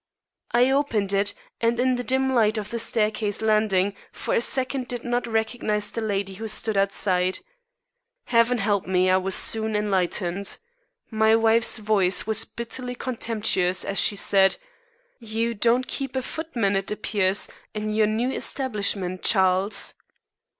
I opened it, and in the dim light of the staircase landing, for a second did not recognize the lady who stood outside. Heaven help me, I was soon enlightened. My wife's voice was bitterly contemptuous as she said: "You don't keep a footman, it appears, in your new establishment, Charles."